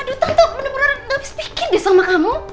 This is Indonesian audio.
aduh tante bener bener nggak habis pikir deh sama kamu